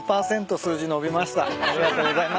ありがとうございます。